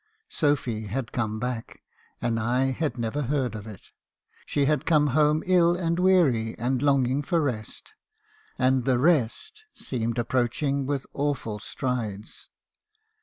Sophy had come back, and I had "never heard of it. She had come home ill and weary, and longing for rest; and the rest seemed approaching with awful strides.